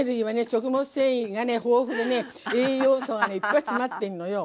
食物繊維が豊富でね栄養素がいっぱい詰まってんのよ。